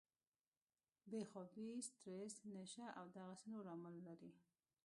بې خوابي ، سټريس ، نشه او دغسې نور عوامل لري